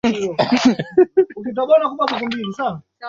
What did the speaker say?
Jacob alitembea hadi alipoona taksi akapiga mkono dereva alimuona na kusimama